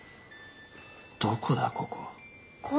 どこだここ。